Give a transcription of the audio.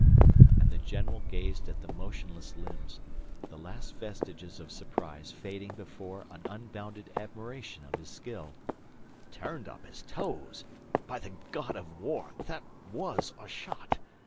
And the general gazed at the motionless limbs, the last vestiges of surprise fading before an unbounded admiration of his skill. "Turned up his toes! By the god of war that was a shot!"